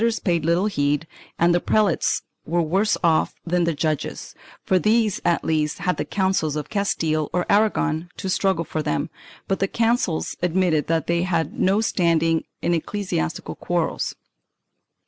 494 CONFLICTING JURISDICTIONS [Boos: II paid little heed and the prelates were worse off than the judges, for these at least had the Councils of Castile or Aragon to struggle for them, but the Councils admitted that they had no standing in ecclesiastical quarrels.